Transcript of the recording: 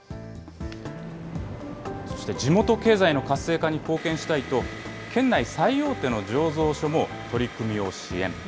そして地元経済の活性化に貢献したいと、県内最大手の醸造所も取り組みを支援。